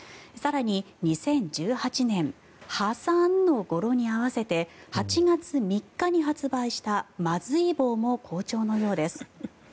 更に２０１８年破産のゴロに合わせて８月３日に発売したまずい棒も好調のようです。